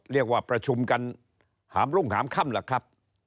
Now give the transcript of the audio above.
เรียกว่าประชุมกันหามรุ่งหามค่ำล่ะครับ